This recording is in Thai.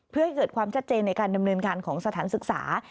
เพื่อให้เกิดความชัดเจนในการดำเนินการของสถานศึกษา